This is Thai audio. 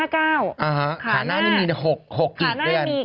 ขาหน้านี่มี๖อีกเรื่อง